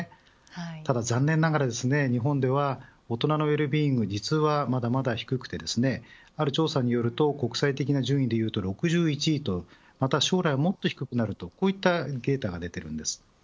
ただ残念ながら日本では大人のウェルビーイング実はまだまだ低くてある調査によると国際的な順位でいうと６１位とまた将来はもっと低くなるといったデータが出ています。